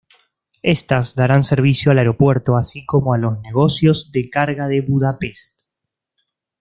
Estas darán servicio al aeropuerto así como a los negocios de carga de Budapest.